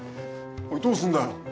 おいどうすんだよ？